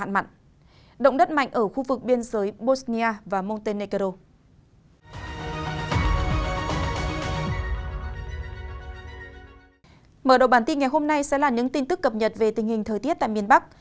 mở đầu bản tin ngày hôm nay sẽ là những tin tức cập nhật về tình hình thời tiết tại miền bắc